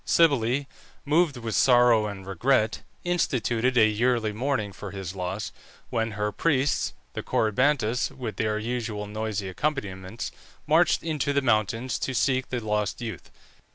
Cybele, moved with sorrow and regret, instituted a yearly mourning for his loss, when her priests, the Corybantes, with their usual noisy accompaniments, marched into the mountains to seek the lost youth.